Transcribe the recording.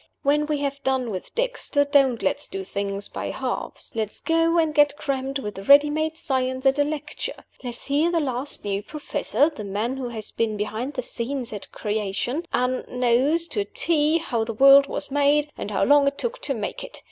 When we have done with Dexter, don't let's do things by halves. Let's go and get crammed with ready made science at a lecture let's hear the last new professor, the man who has been behind the scenes at Creation, and knows to a T how the world was made, and how long it took to make it.